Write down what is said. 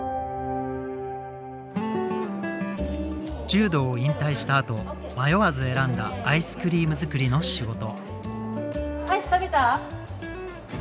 柔道を引退したあと迷わず選んだアイスクリーム作りの仕事。